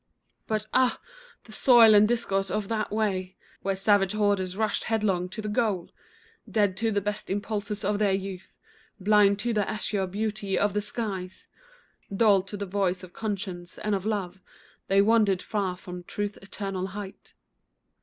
But ah! the soil and discord of that way, Where savage hordes rushed headlong to the goal, Dead to the best impulses of their youth, Blind to the azure beauty of the skies; Dulled to the voice of conscience and of love, They wandered far from Truth's eternal height.